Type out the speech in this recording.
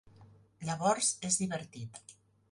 Llavors és divertit.